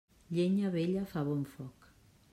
Llenya vella fa bon foc.